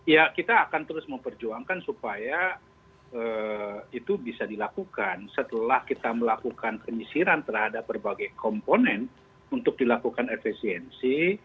ya kita akan terus memperjuangkan supaya itu bisa dilakukan setelah kita melakukan penyisiran terhadap berbagai komponen untuk dilakukan efisiensi